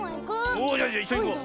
おおじゃいっしょにいこう。